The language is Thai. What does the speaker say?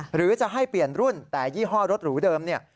หรือจะให้เปลี่ยนรุ่นแต่ยี่ห้อรถหรูเดิมเนี่ย